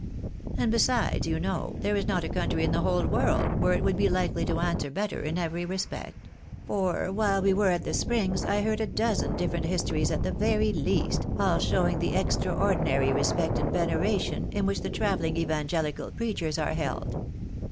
And besides, you know, there is not a country in the whole world where it would be likely to answer better in every respect ; for while we were at the Springs I heard a dozen different histories at the very least, all showing the extraor 810 THE BARNABTS irT AMERICA. dinary respect and. veneration in which the travelling evangelical preachers are held.